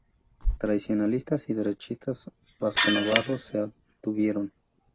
Tradicionalistas y derechistas vasco-navarros se abstuvieron.